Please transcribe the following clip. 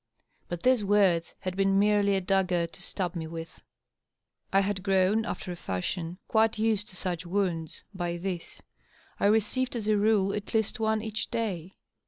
But these words had been merely a dagger to stab me with. I had grown, after a fashion, quite used to su(£ wounds, by this ; I received, as a rule, at least one each day.